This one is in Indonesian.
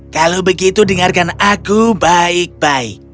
kalau begitu dengarkan aku baik baik